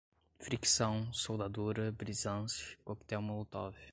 fricção, soldadura, brisance, coquetel molotov